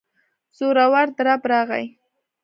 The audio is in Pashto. زورور درب راغی.